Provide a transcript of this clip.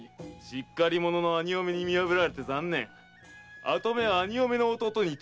しっかりものの兄嫁に見破られて残念跡目は兄嫁の弟に取られてしまった。